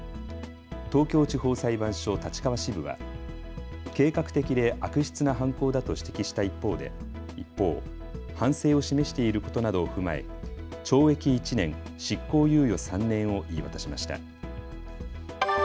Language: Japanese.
東京地方裁判所立川支部は計画的で悪質な犯行だと指摘した一方、反省を示していることなどを踏まえ懲役１年、執行猶予３年を言い渡しました。